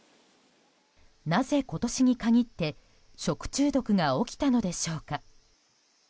なぜ今年に限って食中毒が起きたのでしょうか。